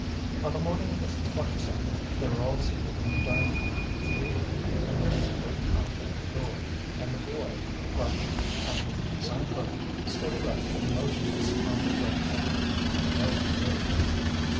On the morning of the 22d they were all seated in the dining room, reading, when there was a great knock at the door, and the boy, flushed, panting, sunburnt, stood erect and motionless on the threshold. No one moved.